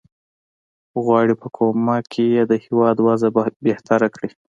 غواړي په کومک یې د هیواد وضع بهتره کړي.